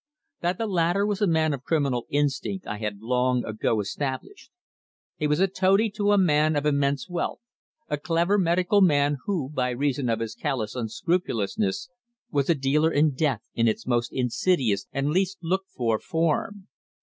That the latter was a man of criminal instinct I had long ago established. He was a toady to a man of immense wealth a clever medical man who, by reason of his callous unscrupulousness, was a dealer in Death in its most insidious and least looked for form.